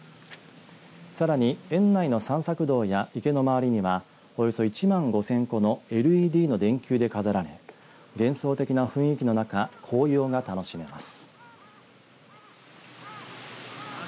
さらに、園内の散策道や池のまわりにはおよそ１万５０００個のＬＥＤの電球で飾られ幻想的な雰囲気の中紅葉が楽しめます。